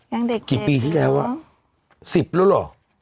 ยังเด็กรู้หรอกี่ปีที่แล้วอ่ะสิบแล้วหรอ